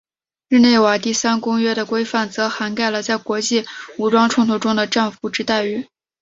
日内瓦第三公约的规范则涵盖了在国际武装冲突中的战俘之待遇。